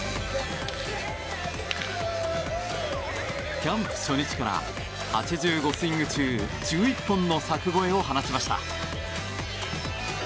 キャンプ初日から８５スイング中１１本の柵越えを放ちました。